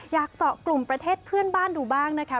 อยากเจาะกลุ่มประเทศเพื่อนบ้านดูบ้างนะคะ